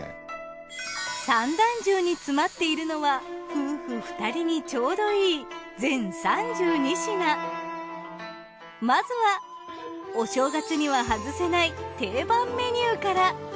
三段重に詰まっているのは夫婦２人にちょうどいいまずはお正月には外せない定番メニューから。